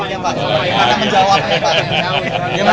bagaimana menjawabnya pak